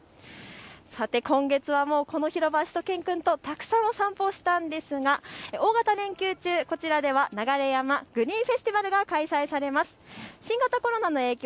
さて今月はこの広場、しゅと犬くんとたくさんお散歩をしたんですが大型連休中、こちらでは流山グリーンフェスティバルが行われます。